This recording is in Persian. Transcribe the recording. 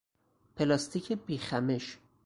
پلاستیک بیخمش